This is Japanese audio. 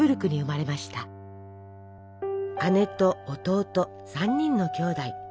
姉と弟３人のきょうだい。